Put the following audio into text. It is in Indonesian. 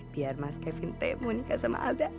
biar mas kevin teh mau nikah sama alda